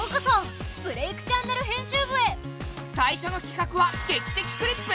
最初のきかくは「劇的クリップ」！